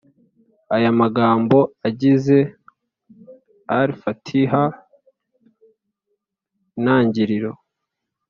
ayo magambo agize al-fātiḥah (“intangiriro”)